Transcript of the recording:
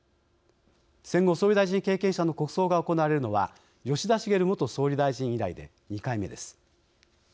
戦後、総理大臣経験者の国葬が行われるのは吉田茂元総理大臣以来で２回目です。